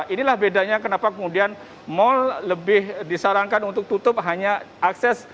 inilah bedanya kenapa kemudian mal lebih disarankan untuk tutup hanya akses